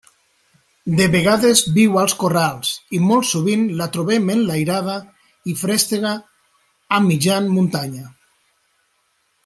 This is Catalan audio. De vegades viu als corrals i molt sovint la trobem enlairada i feréstega a mitjan muntanya.